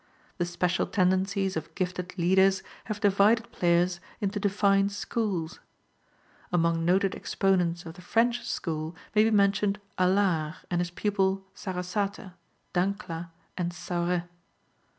The special tendencies of gifted leaders have divided players into defined schools. Among noted exponents of the French school may be mentioned Alard and his pupil Sarasate, Dancla and Sauret.